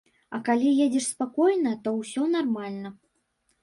А калі едзеш спакойна, то ўсё нармальна.